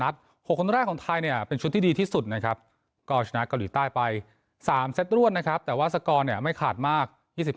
๓เซตรวนนะครับแต่ว่าสกอร์เนี่ยไม่ขาดมาก